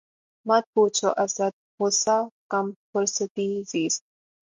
مت پوچھ اسد! غصۂ کم فرصتیِ زیست